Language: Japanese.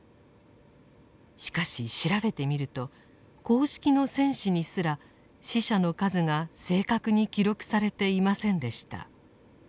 しかし調べてみると公式の戦史にすら死者の数が正確に記録されていませんでした。